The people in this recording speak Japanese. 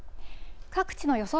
各地の予想